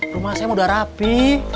rumah saya udah rapi